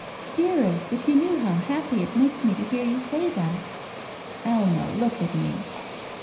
"Dearest, if you knew how happy it makes me to hear you say that." "Alma, look at me."